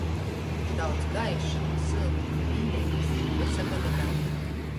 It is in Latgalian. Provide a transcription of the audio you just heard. Daudz gaišuma, syltuma, meileibys vysa goda garumā!